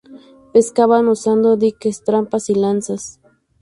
Pescaban usando diques, trampas y lanzas.